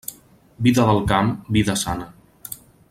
Vida del camp, vida sana.